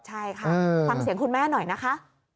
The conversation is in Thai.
ใช่ค่ะฟังเสียงคุณแม่หน่อยนะคะ